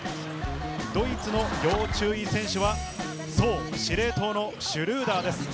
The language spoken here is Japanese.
ドイツの要注意選手は司令塔のシュルーダーです。